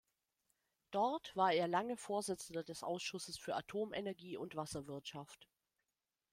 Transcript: Dort war er lange Vorsitzender des Ausschusses für Atomenergie und Wasserwirtschaft.